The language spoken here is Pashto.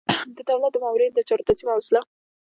د دولت د مامورینو د چارو تنظیم او اصلاح.